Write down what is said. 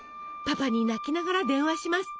パパに泣きながら電話します。